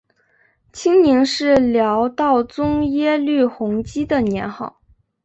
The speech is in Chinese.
清宁是辽道宗耶律洪基的年号。